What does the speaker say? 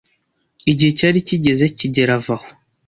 Igihe cyari kigeze kigeli ava aho.